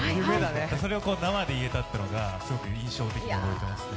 それを生で言えたっていうのがすごく印象的でしたね。